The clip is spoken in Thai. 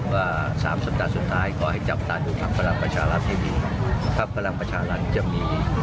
ว่า๓สัปดาห์สุดท้ายขอให้จับตาดูพักพลังประชารัฐให้ดีภักดิ์พลังประชารัฐจะมี